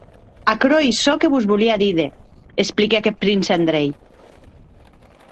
Aquerò ei çò que vos volia díder, expliquèc eth prince Andrei.